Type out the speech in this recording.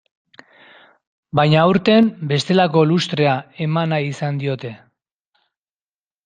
Baina aurten bestelako lustrea eman nahi izan diote.